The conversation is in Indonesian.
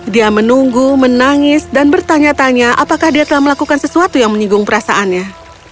dia menunggu menangis dan bertanya tanya apakah dia telah melakukan sesuatu yang menyinggung perasaannya